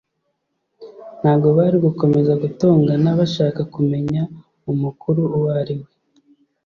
ntabwo ' bari gukomeza gutongana bashaka kumeya umukuru uwo ari we.